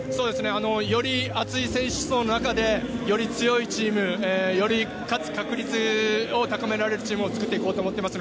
より厚い選手層の中で、より強いチーム、より勝つ確率を高められるチームを作っていこうと思っています。